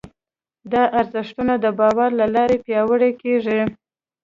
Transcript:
دا ارزښتونه د باور له لارې پياوړي کېږي.